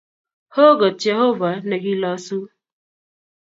O kot Jehovah ne kilosu